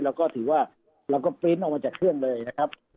เราก็ถือว่าเราก็ปริ้นต์ออกมาจากเครื่องเลยนะครับ